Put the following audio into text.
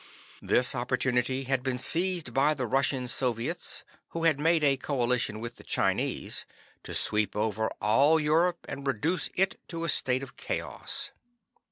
This opportunity had been seized by the Russian Soviets, who had made a coalition with the Chinese, to sweep over all Europe and reduce it to a state of chaos.